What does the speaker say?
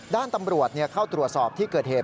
ด้านตำรวจเข้าตรวจสอบที่เกิดเหตุ